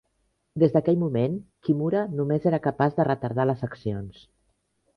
Des d'aquell moment, Kimura només era capaç de retardar les accions.